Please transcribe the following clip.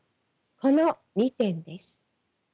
この２点です。